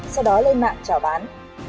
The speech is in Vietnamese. sau đó lên mạng trả bán